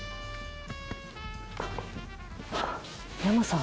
ヤマさん！